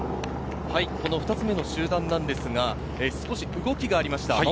２つ目の集団ですが、少し動きがありました。